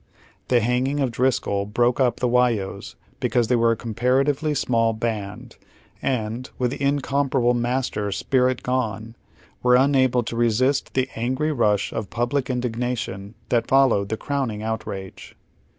The hanging of DriscoU bi oke up the "Whyos because they were a comparatively small band, and, with the incomparable master spirit gone, were unable to I'esist the angry rush of public in dignation that followed the crowning outrage.